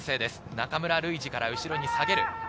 中村ルイジから後ろに下げる。